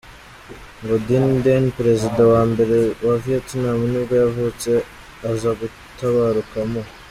Ngo Dinh Diem, perezida wa mbere wa Vietnam nibwo yavutse, aza gutabaruka mu .